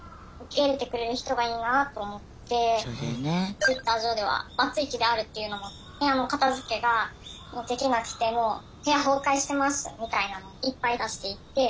Ｔｗｉｔｔｅｒ上では「バツイチである」っていうのも「部屋の片づけができなくて部屋崩壊してます」みたいなのもいっぱい出していって。